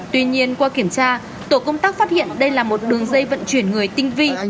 tuy nhiên qua kiểm tra tổ công tác phát hiện đây là một đường dây vận chuyển người tinh vi